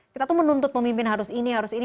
kita tuh menuntut pemimpin harus ini harus ini